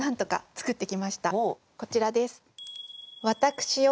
こちらです。